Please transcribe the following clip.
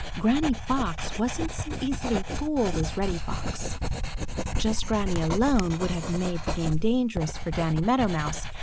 Granny Fox wasn't so easily fooled as Reddy Fox. Just Granny alone would have made the game dangerous for Danny Meadow Mouse.